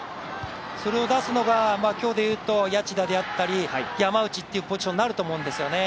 それを出すのが今日であったら谷内田であったり山内というポジションになると思うんですよね。